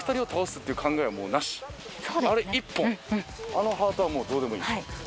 あのハートはもうどうでもいい。